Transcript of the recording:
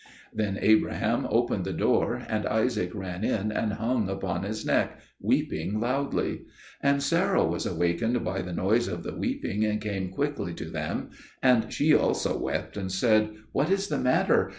Then Abraham opened the door, and Isaac ran in and hung upon his neck, weeping loudly. And Sarah was awakened by the noise of the weeping, and came quickly to them; and she also wept and said, "What is the matter?